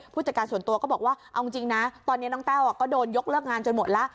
จัดการส่วนตัวก็บอกว่าเอาจริงนะตอนนี้น้องแต้วก็โดนยกเลิกงานจนหมดแล้ว